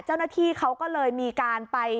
เจ้าหน้าที่เขาก็เลยมีการไป